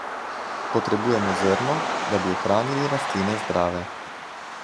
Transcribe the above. Potrebujemo zrno, da bi ohranili rastline zdrave.